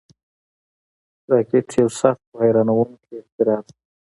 راکټ یو سخت، خو حیرانوونکی اختراع ده